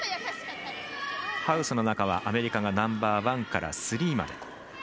ハウスの中はアメリカがナンバーワンからスリーまで。